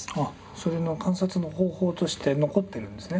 その観察の方法として残ってるんですね。